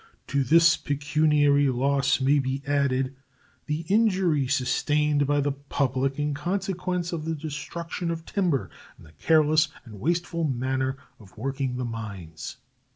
To this pecuniary loss may be added the injury sustained by the public in consequence of the destruction of timber and the careless and wasteful manner of working the mines.